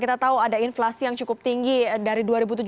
kita tahu ada inflasi yang cukup tinggi dari dua ribu tujuh belas